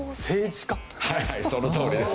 はいそのとおりです。